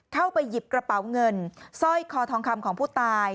เข้าไปหยิบกระเป๋าเงินสร้อยคอทองคำของผู้ตาย